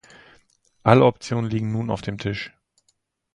Alle Optionen liegen nun auf dem Tisch.